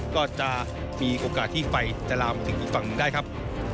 ก็จะมีโอกาสที่ไฟจะลามมาถึงอีกฝั่งหนึ่งได้ครับ